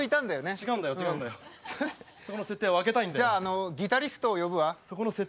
じゃああのギタリストを呼ぶわ。